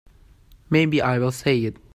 Maybe I will say it.